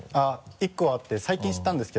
１個あって最近知ったんですけど。